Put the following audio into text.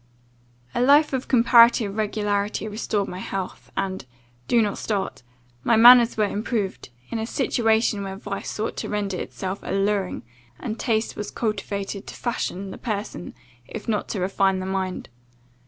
"A life of comparative regularity restored my health; and do not start my manners were improved, in a situation where vice sought to render itself alluring, and taste was cultivated to fashion the person, if not to refine the mind.